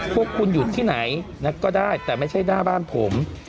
พวกคุณอยู่ที่ไหนก็ได้แต่ไม่ใช่หน้าบ้านผม